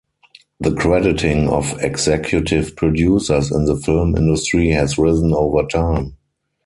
The crediting of executive producers in the film industry has risen over time.